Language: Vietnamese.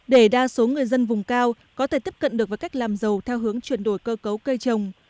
để đa số người dân vùng cao có thể tiếp cận được với cách làm giàu theo hướng chuyển đổi cơ cấu cây trồng